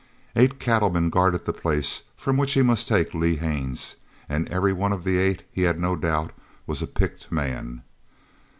Eight cattlemen guarded the place from which he must take Lee Haines, and every one of the eight, he had no doubt, was a picked man.